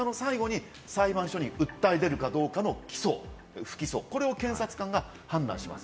そして２０日の最後に裁判所に訴え出るかどうかの、起訴・不起訴、これを検察官が判断します。